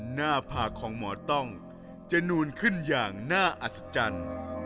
หน้าผากของหมอต้องจะนูนขึ้นอย่างน่าอัศจรรย์